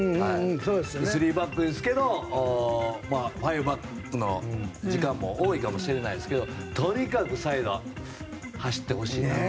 ３バックですけど５バックの時間も多いかもしれないですけどとにかくサイド走ってほしいなと。